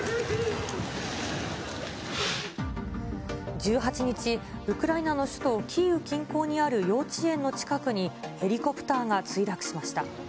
１８日、ウクライナの首都キーウ近郊にある幼稚園の近くに、ヘリコプターが墜落しました。